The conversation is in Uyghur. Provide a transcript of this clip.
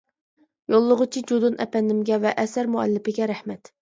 يوللىغۇچى جۇدۇن ئەپەندىمگە ۋە ئەسەر مۇئەللىپىگە رەھمەت.